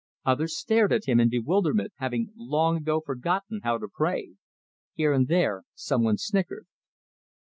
Others stared at him in bewilderment, having long ago forgotten how to pray. Here and there some one snickered.